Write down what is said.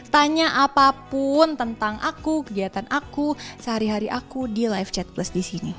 tanya apapun tentang aku kegiatan aku sehari hari aku di live chat plus di sini